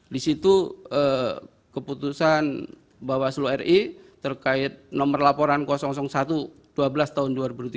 di situ keputusan bawaslu ri terkait nomor laporan satu dua belas tahun dua ribu tiga belas